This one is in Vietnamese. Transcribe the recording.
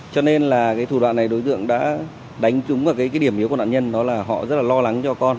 cho nên là cái thủ đoạn này đối tượng đã đánh trúng vào cái điểm yếu của nạn nhân đó là họ rất là lo lắng cho con